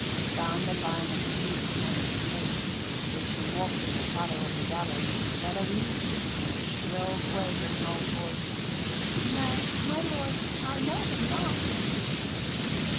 Down the line of accused men she came and, though she walked in the shadow of the gallows, she said of each, in her shrill, quavering old voice, "Nay, my lord, I know him not."